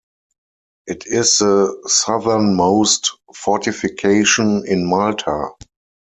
It is the southernmost fortification in Malta.